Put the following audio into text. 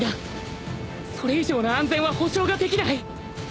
それ以上の安全は保証ができない！